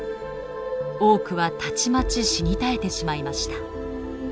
多くはたちまち死に絶えてしまいました。